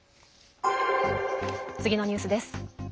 次のニュースです。